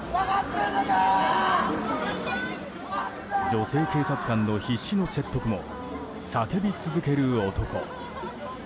女性警察官の必死の説得も叫び続ける男。